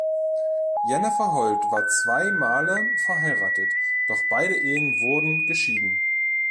Jennifer Holt war zweimal Male verheiratet, doch beide Ehen wurden geschieden.